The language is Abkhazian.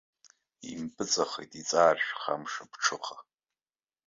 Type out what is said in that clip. Импыҵахеит иҵааршәха амш аԥҽыха.